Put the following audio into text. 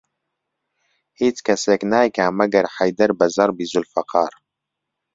هیچ کەسێک نایکا مەگەر حەیدەر بە زەربی زولفەقار